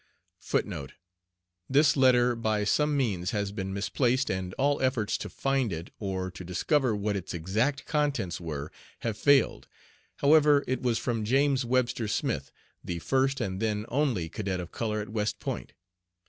* *This letter by some means has been misplaced, and all efforts to find it, or to discover what its exact contents were, have failed. However, it was from James Webster Smith, the first and then only cadet of color at West Point.